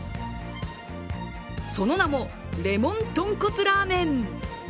その名も、レモンとんこつラーメン。